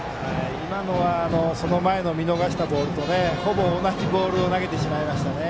今のはその前の見逃したボールとほぼ同じボールを投げてしまいましたね。